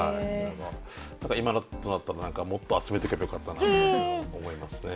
何か今となったらもっと集めとけばよかったなと思いますね。